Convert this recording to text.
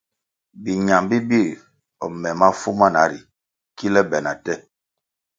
Biñam bi bir me mafu mana ri kile be na te.